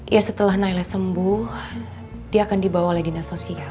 ya setelah naila sembuh dia akan dibawa oleh dinas sosial